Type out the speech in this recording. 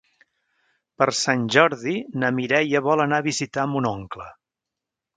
Per Sant Jordi na Mireia vol anar a visitar mon oncle.